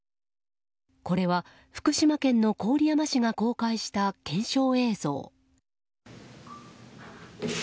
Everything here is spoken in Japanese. これは福島県の郡山市が公開した検証映像。